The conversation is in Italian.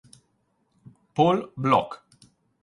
Paul Bloch